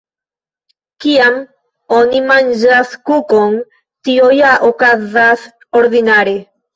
Kiam oni manĝas kukon, tio ja okazas ordinare.